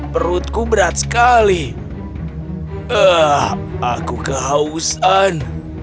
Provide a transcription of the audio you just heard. perutku berat sekali aku kehausan